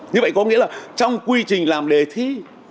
như vậy có nghĩa là trong quy trình làm đề thi